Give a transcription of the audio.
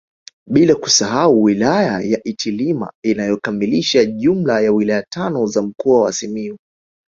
Bila kusahau wilaya ya Itilima inayokamilisha jumla ya wilaya tano za mkoa wa Simiyu